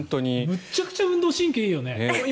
めちゃくちゃ運動神経いいよね。